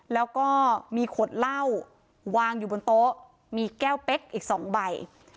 แล้วก็มีขวดเหล้าวางอยู่บนโต๊ะมีแก้วเป๊กอีก๒ใบ